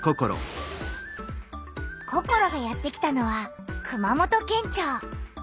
ココロがやって来たのは熊本県庁。